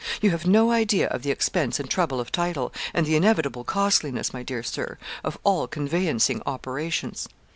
You have no idea of the expense and trouble of title, and the inevitable costliness, my dear Sir, of all conveyancing operations.